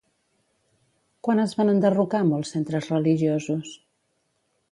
Quan es van enderrocar molts centres religiosos?